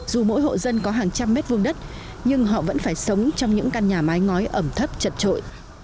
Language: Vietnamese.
dù mỗi hộ dân có hàng trăm mét vuông đất nhưng họ vẫn phải sống trong những căn nhà mái ngói ẩm thấp chật trội